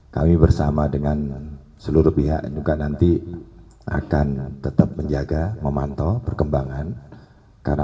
kami bersama dengan seluruh pihak juga nanti akan tetap menjaga memantau perkembangan